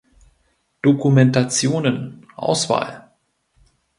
Dokumentationen (Auswahl)